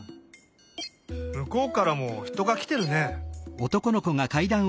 むこうからもひとがきてるね。